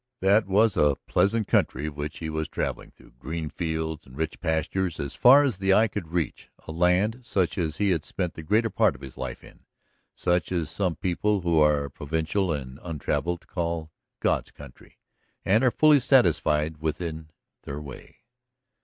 That was a pleasant country which he was traveling through, green fields and rich pastures as far as the eye could reach, a land such as he had spent the greater part of his life in, such as some people who are provincial and untraveled call "God's country," and are fully satisfied with in their way.